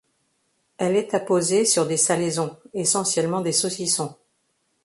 Elle est apposée sur des salaisons, essentiellement des saucissons.